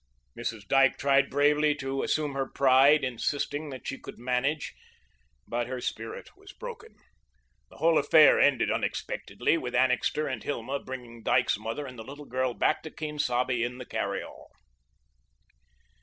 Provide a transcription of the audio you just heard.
Mrs. Dyke tried bravely to assume her pride, insisting that she could manage, but her spirit was broken. The whole affair ended unexpectedly, with Annixter and Hilma bringing Dyke's mother and little girl back to Quien Sabe in the carry all.